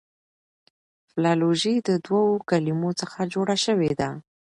فلالوژي د دوو کلمو څخه جوړه سوې ده.